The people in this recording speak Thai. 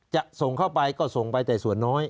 จะส่งเข้าไปก็ส่งไปแต่ส่วนน้อย